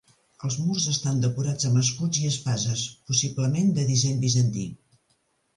Els murs estan decorats amb escuts i espases, possiblement de disseny bizantí.